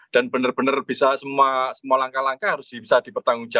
dan benar benar bisa semua langkah langkah harus bisa dipertanggungjawab